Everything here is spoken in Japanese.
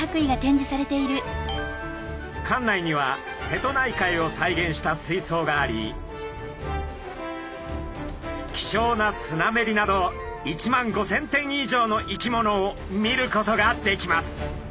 館内には瀬戸内海を再現した水そうがあり希少なスナメリなど１万５，０００点以上の生き物を見ることができます。